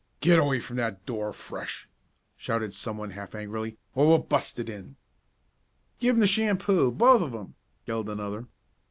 "Get away from that door, Fresh.!" shouted someone, half angrily; "or we'll bust it in!" "Give him the shampoo both of 'em!" yelled another.